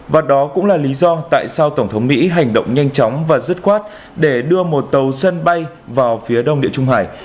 và đó cũng là lý do tại sao tổng thống mỹ hành động nhanh chóng và dứt khoát để đưa một tàu sân bay vào phía đông địa trung hải